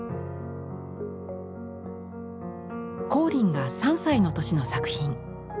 光琳が３歳の年の作品。